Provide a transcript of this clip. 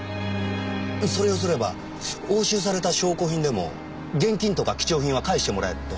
それをすれば押収された証拠品でも現金とか貴重品は返してもらえるって。